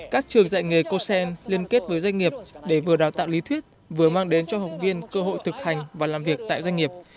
các trường dạy nghề cosen liên kết với doanh nghiệp để vừa đào tạo lý thuyết vừa mang đến cho học viên cơ hội thực hành và làm việc tại doanh nghiệp